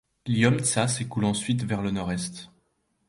L'Iomtsa s'écoule ensuite vers le nord-est.